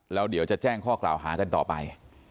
แล้วเดี๋ยวจะแจ้งข้อกล่าวหากันต่อไป